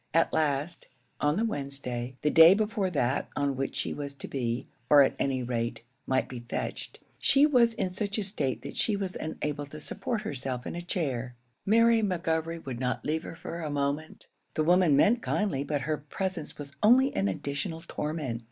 At last, on the Wednesday, the day before that on which she was to be, or at any rate, might be fetched, she was in such a state that she was unable to support herself in a chair. Mary McGovery would not leave her for a moment. The woman meant kindly, but her presence was only an additional torment.